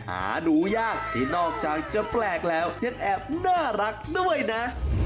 หาดูยากที่นอกจากจะแปลกแล้วยังแอบน่ารักด้วยนะ